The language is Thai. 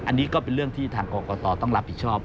อันนี้ก็เป็นเรื่องที่ทางกรกตต้องรับผิดชอบ